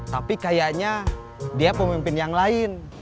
tapi kayaknya dia pemimpin yang lain